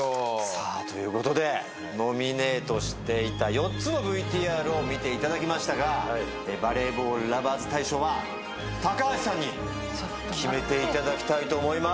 さあということでノミネートしていた４つのＶＴＲを見ていただきましたがバレーボールＬｏｖｅｒｓ大賞は高橋さんに決めていただきたいと思います。